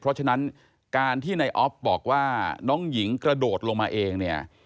เพราะฉะนั้นการที่ในออฟบอกว่าน้องหญิงกระโดดลงมาเองเนี่ย